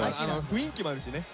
雰囲気もあるしね。